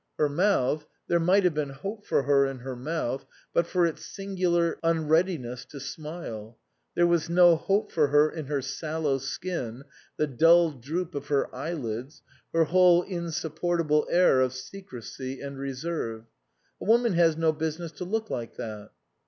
Her mouth there might have been hope for her in her mouth, but for its singular unreadiness to smile ; there was no hope for her in her sallow skin, the dull droop of her eyelids, her whole insupportable air of secrecy and reserve. A woman has no business to look like that.